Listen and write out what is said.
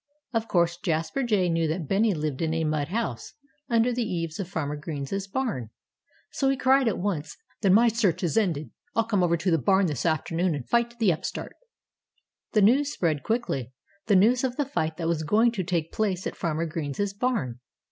Of course, Jasper Jay knew that Bennie lived in a mud house, under the eaves of Farmer Green's barn. So he cried at once: "Then my search is ended! I'll come over to the barn this afternoon and fight the upstart." The news spread quickly the news of the fight that was going to take place at Farmer Green's barn.